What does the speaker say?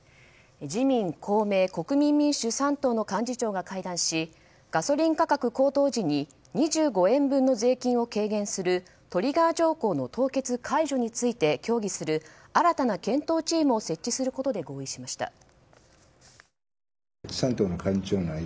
自民、公明、国民民主３党の幹事長が会談しガソリン価格高騰時に２５円分の税金を軽減するトリガー条項の凍結解除について協議する新たな検討チームを設置することで合意しました。